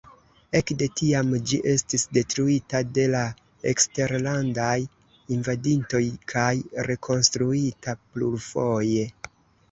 Ekde tiam ĝi estis detruita de la eksterlandaj invadintoj kaj rekonstruita plurfoje.